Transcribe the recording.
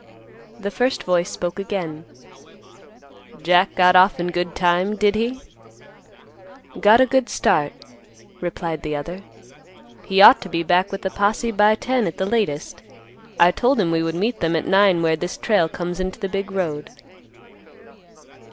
The first voice spoke again. "Jack got off in good time, did he?" "Got a good start," replied the other. "He ought to be back with the posse by ten at the latest. I told him we would meet them at nine where this trail comes into the big road."